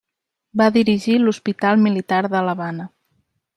Va dirigir l'hospital militar de l'Havana.